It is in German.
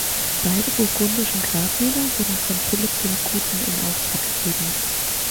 Beide burgundischen Grabmäler wurden von Philipp dem Guten in Auftrag gegeben.